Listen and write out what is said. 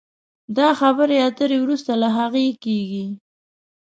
دا خبرې اترې وروسته له هغه کېږي